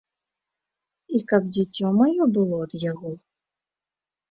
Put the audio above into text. І каб дзіцё маё было ад яго?